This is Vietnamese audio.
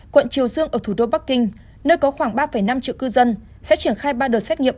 quận triều dương ở thủ đô bắc kinh nơi có khoảng ba năm triệu cư dân sẽ triển khai ba đợt xét nghiệm